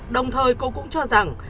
đồng thời cô cũng cho rằng